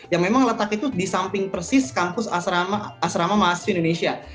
yang memang letak itu di samping persis kampus asrama mahasiswa indonesia